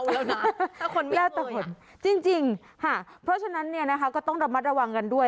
ถ้าคนไม่เมาอย่างแล้วแต่คนจริงจริงฮะเพราะฉะนั้นเนี้ยนะคะก็ต้องระมัดระวังกันด้วย